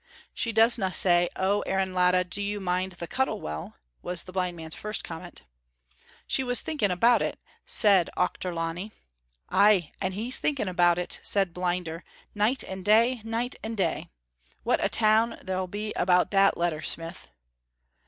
"She doesna say, 'Oh, Aaron Latta, do you mind the Cuttle Well?'" was the blind man's first comment. "She was thinking about it," said Auchterlonie. "Ay, and he's thinking about it," said Blinder, "night and day, night and day. What a town there'll be about that letter, smith!"